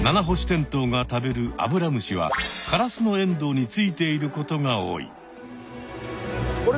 テントウが食べるアブラムシはカラスノエンドウについていることが多い。